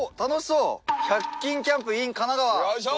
よいしょ！